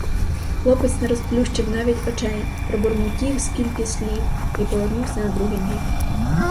Хлопець не розплющив навіть очей, пробурмотів скільки слів і повернувся на другий бік.